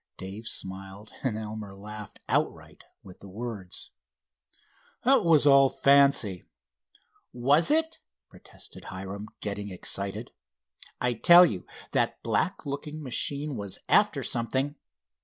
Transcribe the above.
Dave smiled, and Elmer laughed outright, with the words: "That was all fancy." "Was it?" protested Hiram, getting excited. "I tell you, that black looking machine was after something.